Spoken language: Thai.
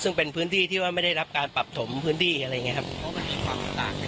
ซึ่งเป็นพื้นที่ที่ไม่ได้รับการปรับถมพื้นที่อะไรอย่างนี้ครับ